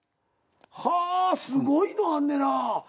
はあすごいのあんねんな。